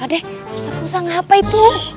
adeh ustadz musa ngapain tuh